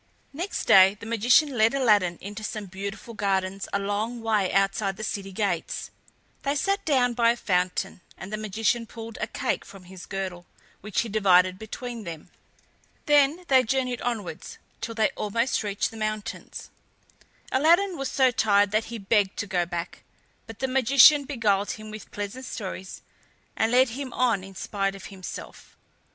Next day the magician led Aladdin into some beautiful gardens a long way outside the city gates. They sat down by a fountain and the magician pulled a cake from his girdle, which he divided between them. Then they journeyed onwards till they almost reached the mountains. Aladdin was so tired that he begged to go back, but the magician beguiled him with pleasant stories and lead him on in spite of himself.